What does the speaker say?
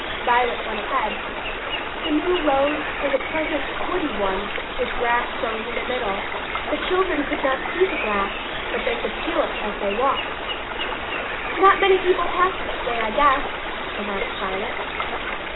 Violet went ahead. The new road was a pleasant woody one, with grass growing in the middle. The children could not see the grass, but they could feel it as they walked. "Not many people pass this way, I guess," remarked Violet.